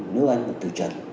nếu anh mà từ trận